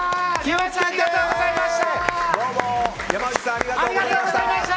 山内さんありがとうございました。